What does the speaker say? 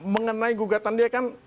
mengenai gugatan dia kan